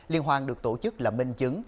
liên hoan được tổ chức là minh chứng